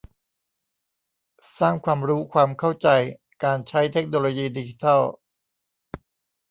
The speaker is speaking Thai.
สร้างความรู้ความเข้าใจการใช้เทคโนโลยีดิจิทัล